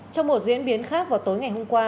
trong một diễn biến khác vào tối ngày hôm qua